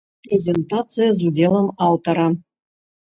Прэзентацыя з удзелам аўтара.